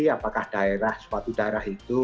apakah suatu daerah itu daerah merah dan daerah hijau